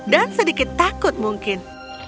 dan sedikit takut mungkin